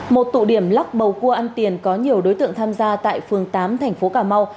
một tụ điểm lắc bầu cua ăn tiền có nhiều đối tượng tham gia tại phường tám thành phố cà mau